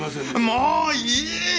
もういい！